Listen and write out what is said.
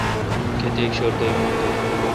کیتیک شردے یون تو۔